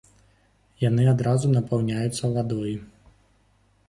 Яны адразу напаўняюцца вадою.